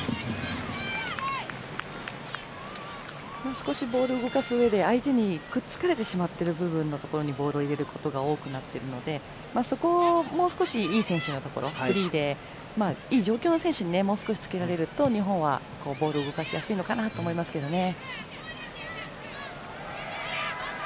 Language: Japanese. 少しボールを動かすうえで相手にくっつかれてしまっている部分のところにボールを入れることが多くなっているのでそこをもう少しいい選手のところフリーで、いい状況の選手にもう少しつけられると、日本はボールを動かしやすいのかなと思いますけどね。